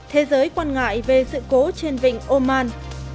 thế giới quan ngại về sự cố trên vịnh oman